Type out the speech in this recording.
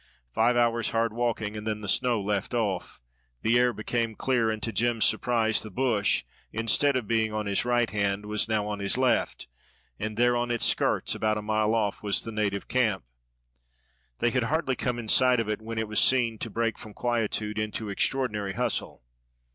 Five hours' hard walking, and then the snow left off. The air became clear, and to Jem's surprise the bush, instead of being on his right hand, was now on his left; and there on its skirts, about a mile off, was the native camp. They had hardly come in sight of it when it was seen to break from quietude into extraordinary bustle.